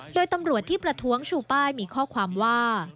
โดยตำรวจที่ประท้วงชูป้ายมีข้อความว่า